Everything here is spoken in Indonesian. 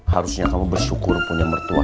harusnya kamu bersyukur punya mertua